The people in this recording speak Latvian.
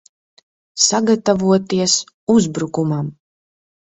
Sagatavoties uzbrukumam!